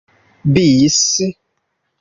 bis